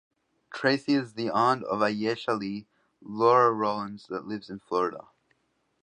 Tracey is the aunt of Ayesha Lee (Laura Rollins) that lives in Florida.